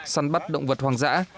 săn bắt động vật hoàng dã